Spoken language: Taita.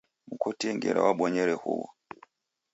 Mkotie ngera wabonyere huwo